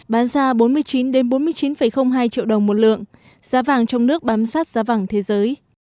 bán ra bốn mươi chín bốn mươi chín hai triệu đồng một lượng giá vàng trong nước bám sát giá vàng thế giới